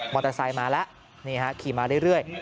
อเตอร์ไซค์มาแล้วนี่ฮะขี่มาเรื่อย